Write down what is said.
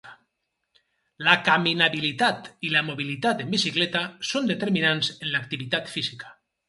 La caminabilitat i la mobilitat en bicicleta són determinants en l'activitat física.